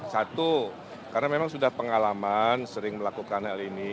satu karena memang sudah pengalaman sering melakukan hal ini